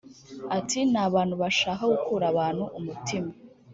Ati ‘Ni abantu bashaka gukura abantu umutima